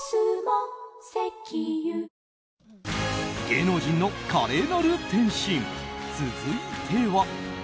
芸能人の華麗なる転身続いては。